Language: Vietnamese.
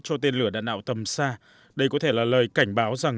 cho tên lửa đạn ảo tầm xa đây có thể là lời cảnh báo rằng